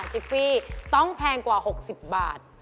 ฟิต้องแพงกว่า๖๐บาท